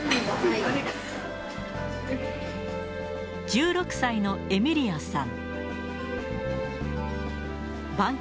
１６歳のエミリアさん。